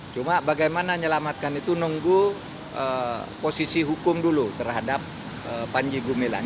cuma bagaimana nyelamatkan itu nunggu posisi hukum dulu terhadap panji gumilang